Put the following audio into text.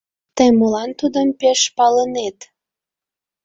Тый молан тудым пеш палынет?